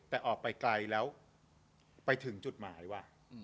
แต่ออกไปไกลแล้วไปถึงจุดหมายว่ะ